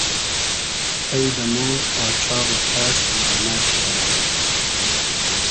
کݷ دۂ مۉ آچاغی کس لانۂ شودۂ